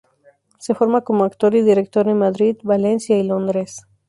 Se forma como actor y director en Madrid, Valencia y Londres.